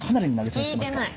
聞いてない。